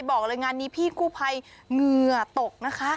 บอกเลยงานนี้พี่กู้ภัยเหงื่อตกนะคะ